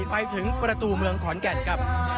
ไปถึงประตูเมืองขอนแก่นครับ